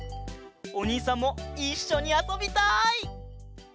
おにいさんもいっしょにあそびたい！